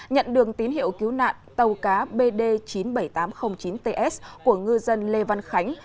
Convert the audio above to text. nhận đường tín hiệu cứu nạn tàu cá bd chín nghìn bảy trăm tám mươi ts của ngư dân lê văn khánh